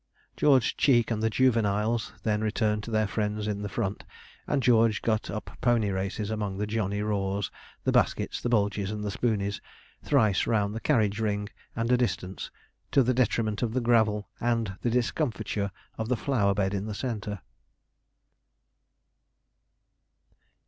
George Cheek and the juveniles then returned to their friends in the front; and George got up pony races among the Johnny Raws, the Baskets, the Bulgeys, and the Spooneys, thrice round the carriage ring and a distance, to the detriment of the gravel and the discomfiture of the flower bed in the centre.